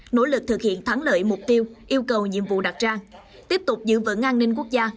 nỗ lực thực hiện thắng lợi mục tiêu yêu cầu nhiệm vụ đặt ra tiếp tục giữ vững an ninh quốc gia